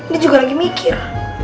dia juga lagi mikir